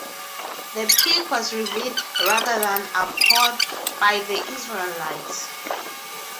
The pig was revered rather than abhorred by the Israelites.